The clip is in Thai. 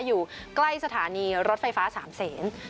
อยู่ใกล้สถานีรถไฟฟ้าสามเศษ